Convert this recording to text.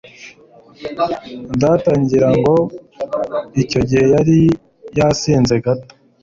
Data, ngira ngo icyo gihe yari yasinze gato